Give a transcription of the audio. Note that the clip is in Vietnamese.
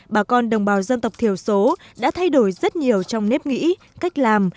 bà con đồng bào dân tộc thiểu số đã thay đổi rất nhiều trong nếp nghĩ cách làm